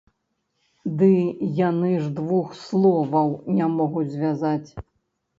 Ды яны ж двух словаў не могуць звязаць!